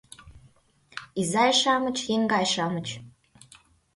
Изай-шамыч, еҥгай-шамыч